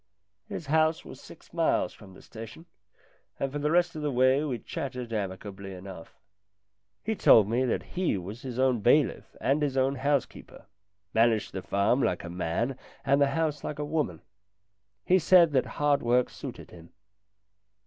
His house was six miles from the station, and for the rest of the way we chatted amicably enough. He told me that he was his own bailiff and his own housekeeper managed the farm like a man and the house like a woman. He said that hard work suited him.